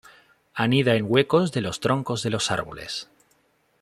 Anida en huecos de los troncos de los árboles.